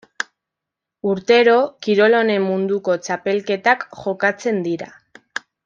Urtero, kirol honen munduko txapelketak jokatzen dira.